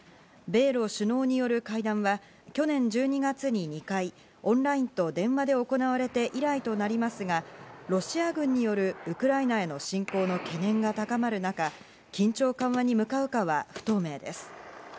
米ロ首脳による会談は去年１２月に２回、オンラインと電話で行われて以来となりますが、ロシア軍によるウクライナへの侵攻の懸念が高まる中、緊張緩和に向かうかは不透明です。